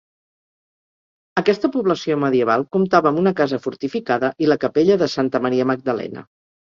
Aquesta població medieval comptava amb una casa fortificada i la capella de Santa Maria Magdalena.